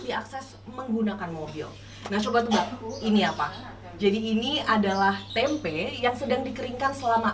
diakses menggunakan mobil nah coba ini apa jadi ini adalah tempe yang sedang dikeringkan selama